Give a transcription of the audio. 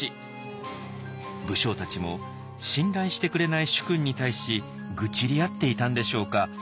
武将たちも信頼してくれない主君に対し愚痴り合っていたんでしょうか。